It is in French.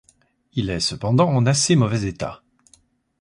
Il est cependant en assez mauvais état.